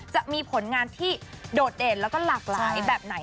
จะมีผลงานที่โดดเด่นแล้วก็หลากหลายแบบไหน